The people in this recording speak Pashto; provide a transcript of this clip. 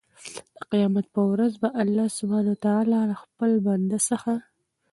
د قيامت په ورځ به الله سبحانه وتعالی د خپل بنده څخه